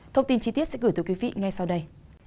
thông tin chi tiết sẽ gửi tới quý vị ngay sau đây